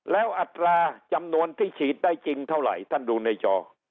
แล้วอัตราจำนวนที่ฉีดได้จริงเท่าไหร่ท่านดูในจอ